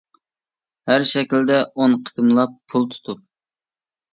ھەر شەكىلدە ئون قېتىملاپ پۇل تۇتۇپ.